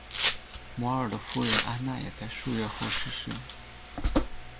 摩尔的夫人安娜也在数月后逝世。